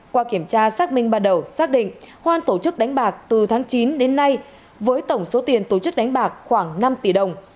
qua kiểm tra xác minh ban đầu xác định hoan tổ chức đánh bạc từ tháng chín đến nay với tổng số tiền tổ chức đánh bạc khoảng năm tỷ đồng